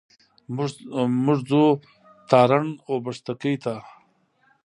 موږ ځو تارڼ اوبښتکۍ ته.